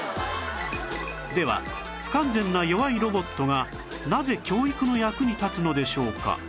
では不完全な弱いロボットがなぜ教育の役に立つのでしょうか？